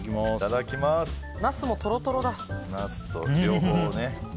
ナスもトロトロだ。